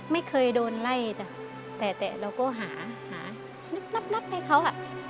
ไม่เคยแต่แต่เราก็หานับให้เขา